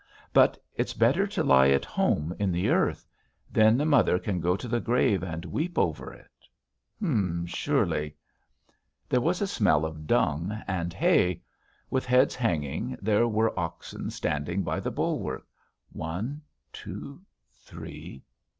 "But it's better to lie at home in the earth. Then the mother can go to the grave and weep over it." "Surely." There was a smell of dung and hay. With heads hanging there were oxen standing by the bulwark one, two, three